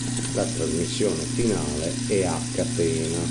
La trasmissione finale è a catena.